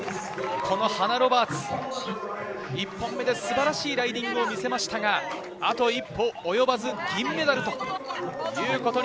このハナ・ロバーツ、１本目で素晴らしいライディングを見せましたが、あと一歩およばず銀メダル。